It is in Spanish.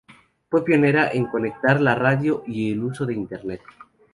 Fue pionera en conectar la radio y el uso de internet.